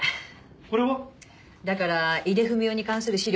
これは？だから井出文雄に関する資料よ。